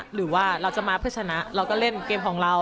หรือว่าเราจะมาเพื่อชนะเราก็เล่นเกมของเรา